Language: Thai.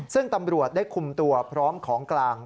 ซึ่งตำรวจได้คุมตัวพร้อมของกลาง